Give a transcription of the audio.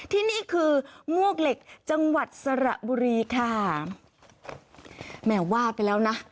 ที่นี่คือมวกเหล็กจังหวัดสระบุรีค่ะแหมว่าไปแล้วนะ